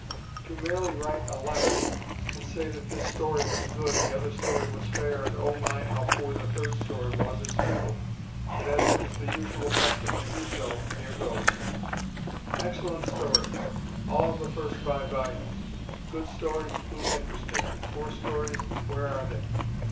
To merely write a letter and say that this story was good, the other story was fair, and oh my! how poor the third story was, is futile. But as it is the usual custom to do so here goes: Excellent stories all of the first five volumes; good stories who's interested?; poor stories where are they?